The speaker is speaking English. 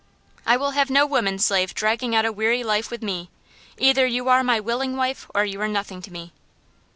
'I will have no woman slave dragging out a weary life with me. Either you are my willing wife, or you are nothing to me.